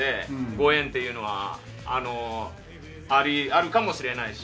ご縁というのはあるかもしれないし。